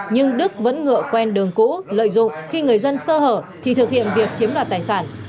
nhưng đức vẫn ngựa quen đường cũ lợi dụng khi người dân sơ hở thì thực hiện việc chiếm đoạt tài sản